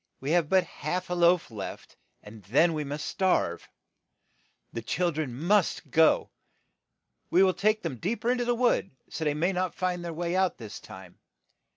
We have but half a loaf left, and then we must starve. The chil dren must go ; we will take them deep er in to the wood, so that they may not find the way out this time.